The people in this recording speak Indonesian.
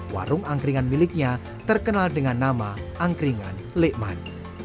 warung angkringan miliknya terkenal dengan nama angkringan lekman